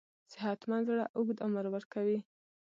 صحتمند زړه اوږد عمر ورکوي.